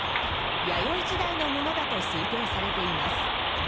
弥生時代のものだと推定されています。